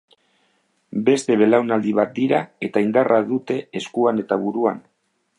Beste belaunaldi bat dira, eta indarra dute eskuan eta buruan.